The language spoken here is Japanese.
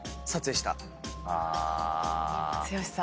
剛さん